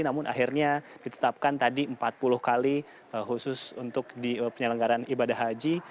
namun akhirnya ditetapkan tadi empat puluh kali khusus untuk di penyelenggaran ibadah haji